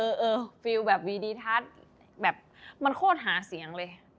เออฟิลแบบวีดีทัศน์แบบมันโคตรหาเสียงเลย